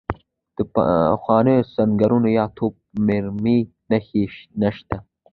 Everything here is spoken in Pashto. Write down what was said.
د پخوانیو سنګرونو یا توپ مرمۍ نښې نشته.